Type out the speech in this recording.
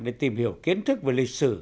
để tìm hiểu kiến thức về lịch sử